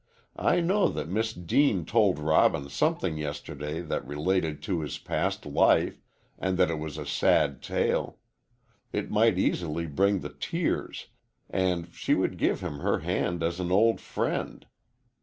I know that Miss Deane told Robin something yesterday that related to his past life, and that it was a sad tale. It might easily bring the tears, and she would give him her hand as an old friend.